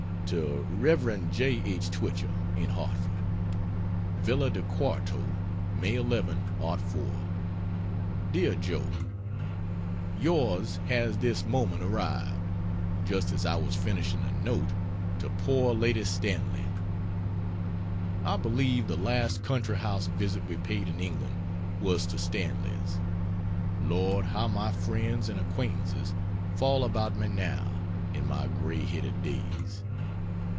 To Rev. J. H. Twichell, in Hartford: VILLA DI QUARTO, May 11, '04 DEAR JOE, Yours has this moment arrived just as I was finishing a note to poor Lady Stanley. I believe the last country house visit we paid in England was to Stanley's. Lord, how my friends and acquaintances fall about me now, in my gray headed days!